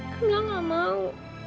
kamilah nggak mau